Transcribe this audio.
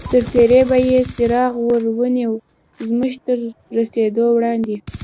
پر څېرې به یې څراغ ور ونیو، زموږ تر رسېدو وړاندې.